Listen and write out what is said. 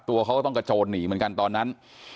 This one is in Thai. ตัวเขาก็ต้องกระโจนหนีเหมือนกันตอนนั้น